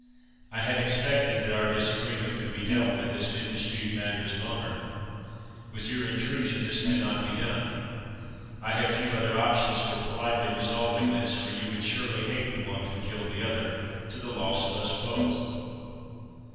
I had expected that our disagreement could be dealt with as men dispute matters of honor. With your intrusion this cannot be done. I have few other options for politely resolving this, for you would surely hate the one who killed the other, to the loss of us both.